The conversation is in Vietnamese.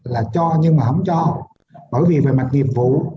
là cho nhưng mà không cho bởi vì về mặt nghiệp vụ